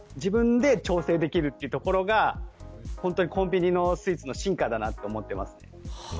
でも、これは自分で調整できるというところが本当にコンビニスイーツの進化だなと思っています。